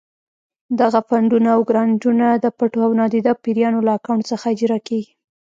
دغه فنډونه او ګرانټونه د پټو او نادیده پیریانو له اکاونټ څخه اجرا کېږي.